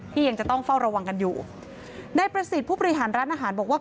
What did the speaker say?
ยังจะต้องเฝ้าระวังกันอยู่ในประสิทธิ์ผู้บริหารร้านอาหารบอกว่า